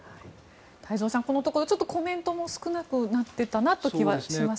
太蔵さん、このところとちょっとコメントも少なくなってたなという気はします。